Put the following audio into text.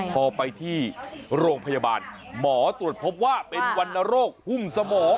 พอไปที่โรงพยาบาลหมอตรวจพบว่าเป็นวรรณโรคหุ้มสมอง